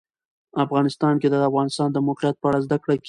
افغانستان کې د د افغانستان د موقعیت په اړه زده کړه کېږي.